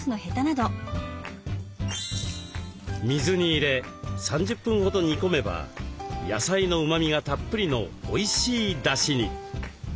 水に入れ３０分ほど煮込めば野菜のうまみがたっぷりのおいしいだしに。